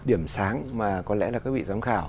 điểm sáng mà có lẽ là các vị giám khảo